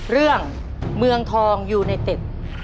เรื่องเมืองทองยูไนเต็ด